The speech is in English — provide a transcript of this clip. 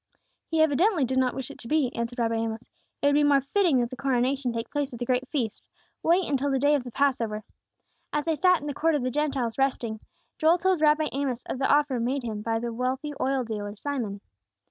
"He evidently did not wish it to be," answered Rabbi Amos. "It would be more fitting that the coronation take place at the great feast. Wait until the day of the Passover." As they sat in the Court of the Gentiles, resting, Joel told Rabbi Amos of the offer made him by the wealthy oil dealer Simon.